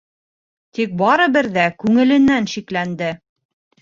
Тик барыбер ҙә күңеленән шикләнде.